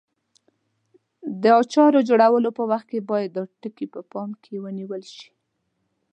د اچارو جوړولو په وخت کې باید دا ټکي په پام کې ونیول شي.